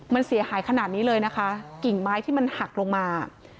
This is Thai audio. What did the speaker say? มันเสียหายขนาดนี้เลยนะคะกิ่งไม้ที่มันหักลงมา